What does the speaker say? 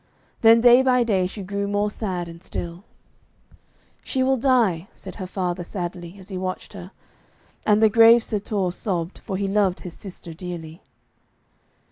Then day by day she grew more sad and still. 'She will die,' said her father sadly, as he watched her; and the grave Sir Torre sobbed, for he loved his sister dearly.